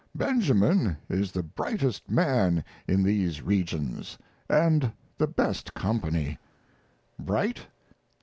Benjamin is the brightest man in these regions, & the best company. Bright?